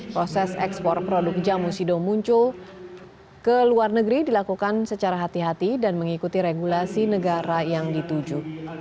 proses ekspor produk jamu sido muncul ke luar negeri dilakukan secara hati hati dan mengikuti regulasi negara yang dituju